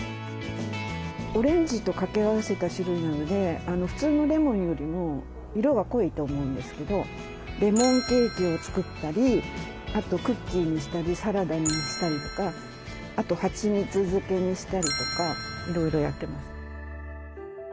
オレンジと掛け合わせた種類なので普通のレモンよりも色が濃いと思うんですけどレモンケーキを作ったりあとクッキーにしたりサラダにしたりとかあとはちみつ漬けにしたりとかいろいろやってます。